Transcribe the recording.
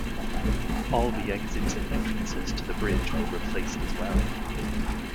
All the exits and entrances to the bridge were replaced as well.